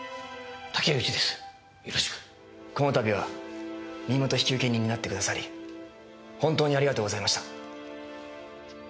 この度は身元引受人になってくださり本当にありがとうございました。